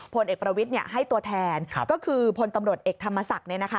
พลเอกประวิทย์ให้ตัวแทนก็คือพลตำรวจเอกธรรมศักดิ์